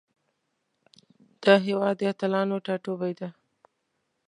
دا هیواد د اتلانو ټاټوبی ده.